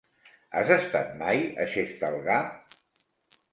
Has estat mai a Xestalgar?